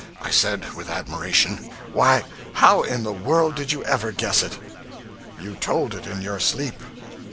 I said, with admiration 'Why, how in the world did you ever guess it?' 'You told it in your sleep.'